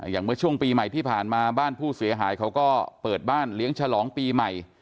อย่างเมื่อช่วงปีใหม่ที่ผ่านมาบ้านผู้เสียหายเขาก็เปิดบ้านเลี้ยงฉลองปีใหม่